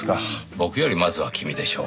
僕よりまずは君でしょう。